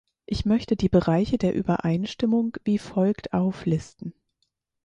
Ich möchte die Bereiche der Übereinstimmung wie folgt auflisten.